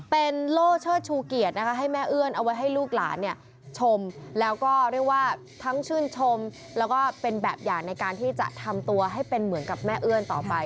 เป็นโล่เชิดชูเกียรตินะคะให้แม่เอื้อนเอาไว้ให้ลูกหลานเนี่ยชมแล้วก็เรียกว่าทั้งชื่นชมแล้วก็เป็นแบบอย่างในการที่จะทำตัวให้เป็นเหมือนกับแม่เอื้อนต่อไป